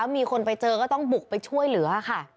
มีคนไปเจอก็ต้องบุกไปช่วยเหลือค่ะ